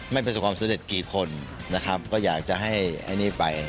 ประสบความสำเร็จกี่คนนะครับก็อยากจะให้อันนี้ไป